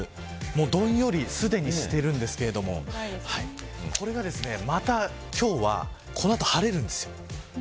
どんより、すでにしているんですけれどもこれが、また今日はこの後、晴れるんです。